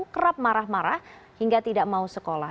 kerap marah marah hingga tidak mau sekolah